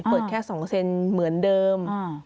เปิดแค่๒เซนเหมือนเดิม